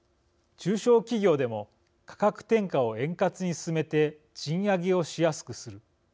中小企業でも価格転嫁を円滑に進めて賃上げをしやすくする。